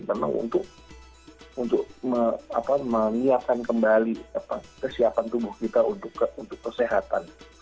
memang untuk menyiapkan kembali kesiapan tubuh kita untuk kesehatan